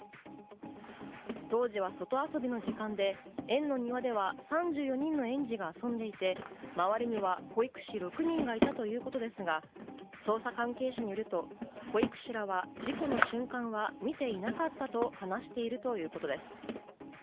当時は外遊びの時間で、園の庭では３４人の園児が遊んでいて、周りには保育士６人がいたということですが、捜査関係者によると、保育士らは事故の瞬間は見ていなかったと話しているということです。